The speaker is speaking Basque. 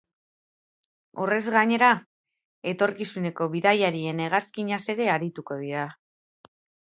Horrez gainera, etorkizuneko bidaiarien hegazkinaz ere arituko dira.